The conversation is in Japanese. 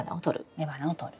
雌花をとる。